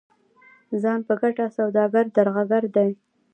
ځان په ګټه سوداګر درغلګر دي.